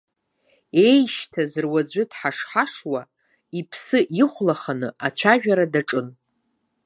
Еишьҭаз руаӡәы дҳашҳашуа, иԥсы ихәлаханы ацәажәара даҿын.